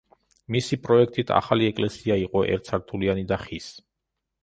მისი პროექტით ახალი ეკლესია იყო ერთსართულიანი და ხის.